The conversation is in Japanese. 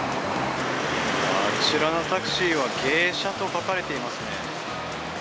あちらのタクシーは迎車と書かれていますね。